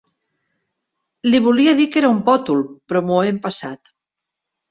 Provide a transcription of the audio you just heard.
Li volia dir que era un pòtol, però m'ho he empassat.